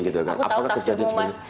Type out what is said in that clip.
aku tahu tafsirmu mas